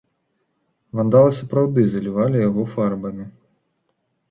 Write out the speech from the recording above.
Вандалы сапраўды залівалі яго фарбамі.